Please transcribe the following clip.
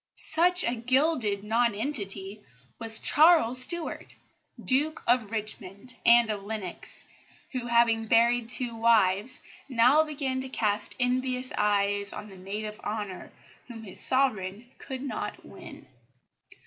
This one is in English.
Such a gilded nonentity was Charles Stuart, Duke of Richmond and of Lennox, who, having buried two wives, now began to cast envious eyes on the maid of honour whom his Sovereign could not win.